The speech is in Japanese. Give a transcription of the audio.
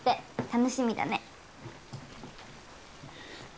楽しみだね。